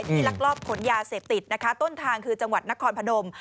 ลักลอบขนยาเสพติดนะคะต้นทางคือจังหวัดนครพนม